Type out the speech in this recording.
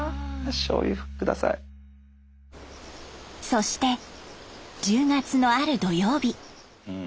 そして１０月のある土曜日。